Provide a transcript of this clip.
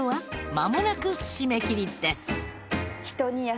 まもなく締め切りです。